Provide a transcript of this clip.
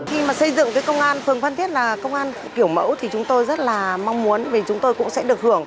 khi mà xây dựng cái công an phường phan thiết là công an kiểu mẫu thì chúng tôi rất là mong muốn vì chúng tôi cũng sẽ được hưởng